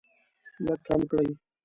لږ کم کړئ